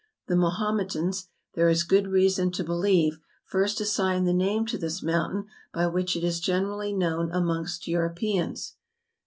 The Ma¬ hometans, there is good reason to believe, first as¬ signed the name to this mountain by which it is Adam's peak, ceylon. 243 generally known amongst Europeans.